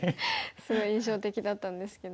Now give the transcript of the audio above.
すごい印象的だったんですけど。